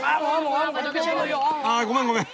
あごめんごめん！